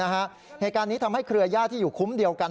เหตุการณ์นี้ทำให้เครือญาติที่อยู่คุ้มเดียวกัน